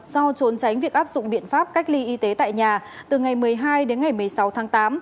do trốn tránh việc áp dụng biện pháp cách ly y tế tại nhà từ ngày một mươi hai đến ngày một mươi sáu tháng tám